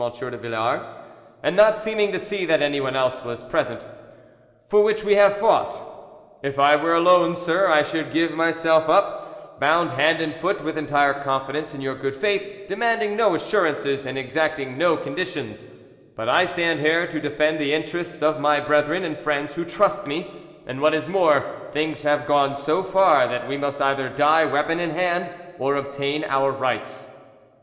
de Villars, and not seeming to see that anyone else was present, "for which we have fought. If I were alone, sir, I should give myself up, bound hand and foot, with entire confidence in your good faith, demanding no assurances and exacting no conditions; but I stand here to defend the interests of my brethren and friends who trust me; and what is more, things have gone so far that we must either die weapon in hand, or obtain our rights."